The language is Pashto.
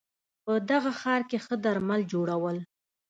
په دغه ښار کې ښه درمل جوړول